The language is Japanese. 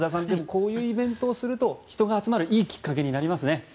こういうイベントをすると人が集まるいいきっかけになりますね。